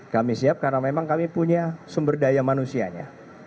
kami siap karena memang kami punya sumber daya manusianya